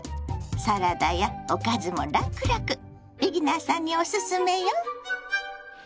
サラダやおかずもラクラクビギナーさんにオススメよ！